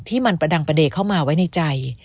ที่มันประดังประเด็นเข้ามาไว้ในใจ